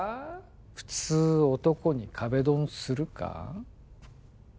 普通男に壁ドンするか？